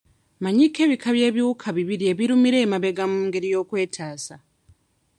Mmanyiiko ebika by'ebiwuka bibiri ebirumira emabega mu ngeri y'okwetaasa.